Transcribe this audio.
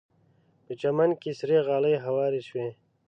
په چمن کې سرې غالۍ هوارې شوې.